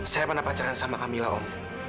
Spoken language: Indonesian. saya pernah pacaran sama kamila om